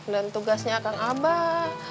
dan tugasnya akang abah